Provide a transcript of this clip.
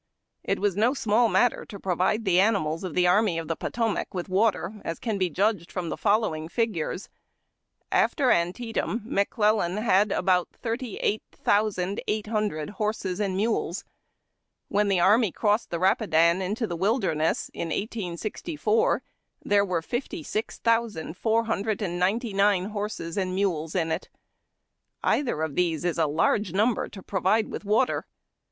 It was no small matter to provide the animals of the Army of the Potomac with water, as can be judged from the following figures: After Antietam McClellan had about thirty eight thousand eight hundred horses and mules. When the army A DAY m CAMP. 177 crossed the Rapidan into the Wilderness, in 1864, there were fifty six thousand four liundred and ninety nine horses and mules in it. Either of these is a large number to provide with water.